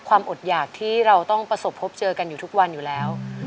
ความอดหยากที่เราต้องประสบพบเจอกันอยู่ทุกวันอยู่แล้ว